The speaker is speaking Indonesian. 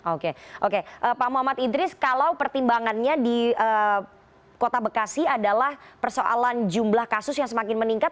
oke oke pak muhammad idris kalau pertimbangannya di kota bekasi adalah persoalan jumlah kasus yang semakin meningkat